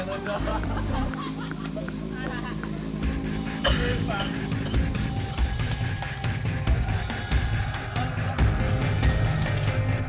nih sayang aja